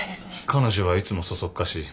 彼女はいつもそそっかしい。